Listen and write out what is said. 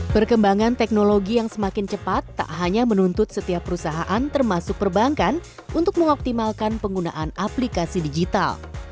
perkembangan teknologi yang semakin cepat tak hanya menuntut setiap perusahaan termasuk perbankan untuk mengoptimalkan penggunaan aplikasi digital